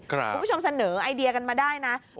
คุณผู้ชมเสนอไอเดียกันมาได้นะ